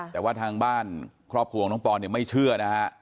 แต่ว่าทางบ้านครอบครัวของน้องปอนเนี่ยไม่เชื่อนะฮะ